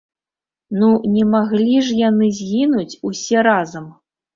Ну не маглі ж яны згінуць усе разам!